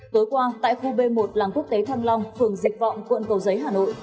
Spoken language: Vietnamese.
tối qua tại khu b một làng quốc tế thăng long phường dịch vọng quận cầu giấy hà nội